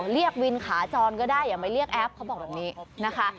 เรียกวินขาจรก็ได้อย่าไปเรียกแอปเขาบอกแบบนี้นะคะ